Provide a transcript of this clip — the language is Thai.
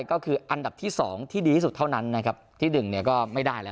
ก็คืออันดับที่สองที่ดีที่สุดเท่านั้นนะครับที่หนึ่งเนี่ยก็ไม่ได้แล้ว